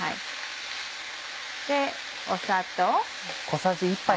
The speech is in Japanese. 砂糖。